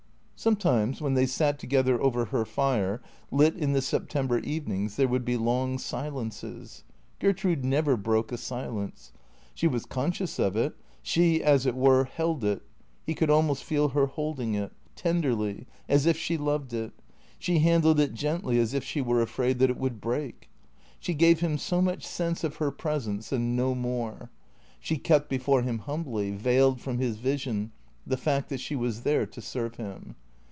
Sometimes when they sat together over her fire, lit in the September evenings, there would be long silences. Gertrude never broke a silence. She was conscious of it; she, as it were, held it — he could almost feel her holding it — tenderly, as if she loved it; she handled it gently as if she were afraid that it would break. She gave him so much sense of her presence and THECREATOES 463 no more. She kept before him, humbly, veiled from his vision, the fact that she was there to serve him.